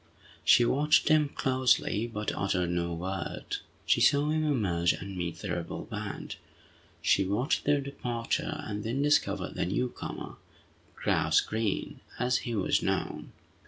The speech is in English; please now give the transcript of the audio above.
She watched him closely, but uttered no word. She saw him emerge, and meet the rebel band. She watched their departure, and then discovered the newcomer, "Grouse Green," as he was known.